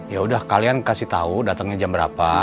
yaudah kalian kasih tau datangnya jam berapa